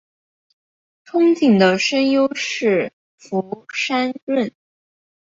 憧憬的声优是福山润。